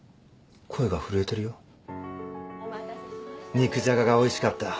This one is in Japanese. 肉じゃががおいしかった。